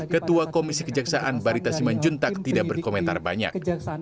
ketua komisi kejaksaan barita siman juntak tidak berkomentar banyak